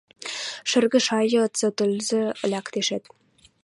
Шӹргӹ шайыц тӹлзӹ лӓктешӓт.